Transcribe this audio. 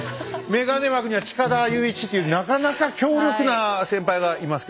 眼鏡枠には近田雄一っていうなかなか強力な先輩がいますけどね。